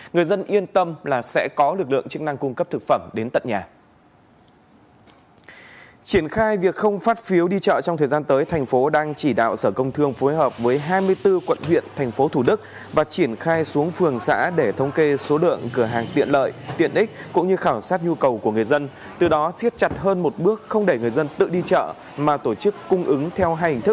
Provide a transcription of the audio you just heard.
người dân yên tâm là sẽ có lực lượng chức năng cung cấp thực phẩm đến tận nhà